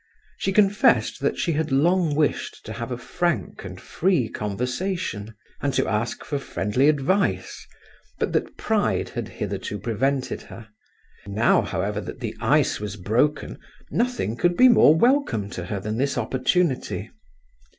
She confessed that she had long wished to have a frank and free conversation and to ask for friendly advice, but that pride had hitherto prevented her; now, however, that the ice was broken, nothing could be more welcome to her than this opportunity.